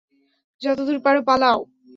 যতদূর পারো পালাও!